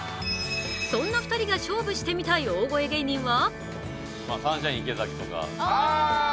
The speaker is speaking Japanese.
そんな２人が勝負してみたい大声芸人は？